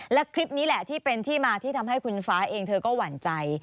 และคลิปนี้แหละที่เป็นที่มาที่ทำให้คุณฟ้าเองเธอก็หวั่นใจ